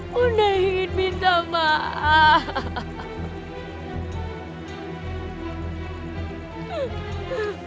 bunda ingin minta maaf